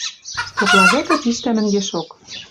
Стёкла вӹкӹ пиштӓ мӹнгешок.